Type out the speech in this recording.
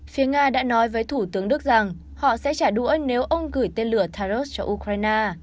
phía nga đã nói với thủ tướng đức rằng họ sẽ trả đũa nếu ông gửi tên lửa taurus cho ukraine